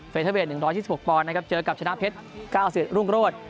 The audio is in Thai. เฟสเทอร์เบนหนึ่งร้อยสิบสิบกว่านะครับเจอกับชนะเพชรกาศิรุ่งโรด